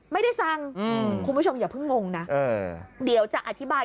ไม่ได้สั่งคุณผู้ชมอย่าเพิ่งงงนะเดี๋ยวจะอธิบาย